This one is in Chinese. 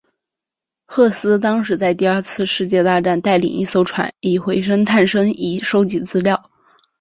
赫斯当时在第二次世界大战带领一艘船以回声测深仪收集资料。